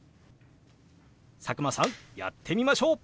佐久間さんやってみましょう！